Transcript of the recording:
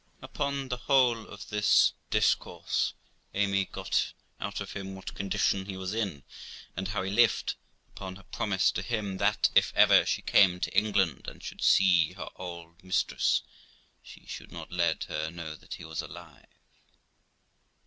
Upon the whole of the discourse, Amy got out of him what condition he was in and how he lived, upon her promise to him that, if ever she came to England, and should see her old mistress, she should not let her know that he was alive.